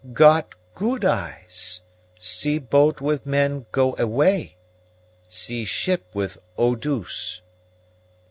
"Got good eyes; see boat with men go away see ship with Eau douce."